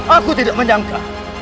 aku tidak menyangka